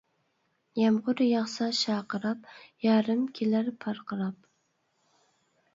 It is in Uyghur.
يامغۇر ياغسا شارقىراپ، يارىم كېلەر پارقىراپ.